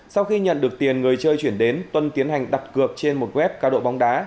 sau khi nhận được tiền người chơi chuyển đến tuân tiến hành đặt cược trên một web cao độ bóng đá